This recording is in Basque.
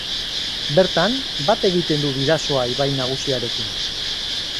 Bertan, bat egiten du Bidasoa ibai nagusiarekin.